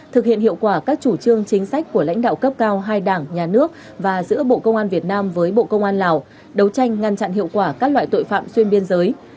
thực hiện hiệu quả các chủ trương chính sách của lãnh đạo cấp cao hai đảng nhà nước và giữa bộ công an việt nam với bộ công an lào đấu tranh ngăn chặn hiệu quả các loại tội phạm xuyên biên giới